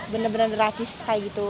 bener bener gratis kayak gitu